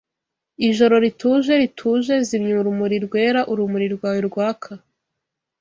Ijoro rituje, rituje, Zimya urumuri rwera Urumuri rwawe rwaka